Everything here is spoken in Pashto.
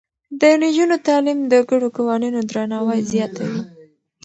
د نجونو تعليم د ګډو قوانينو درناوی زياتوي.